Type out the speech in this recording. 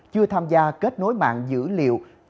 chưa tham gia kết nối mạng dữ liệu